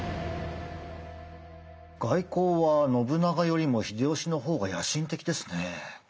外交は信長よりも秀吉の方が野心的ですね怖いくらいだ。